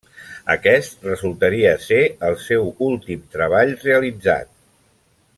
Aquest resultaria ser el seu últim treball realitzat.